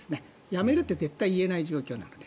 やめるって絶対に言えない状況なので。